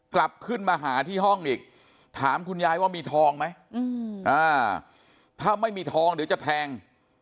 กลับขึ้นมาหาที่ห้องอีกถามคุณยายว่ามีทองไหมถ้าไม่มีทองเดี๋ยวจะแทง